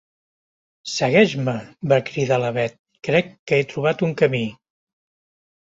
Segueix-me! —va cridar la Bet— Crec que he trobat un camí.